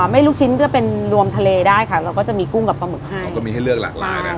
ลูกชิ้นก็เป็นรวมทะเลได้ค่ะเราก็จะมีกุ้งกับปลาหมึกให้เราก็มีให้เลือกหลากหลายนะ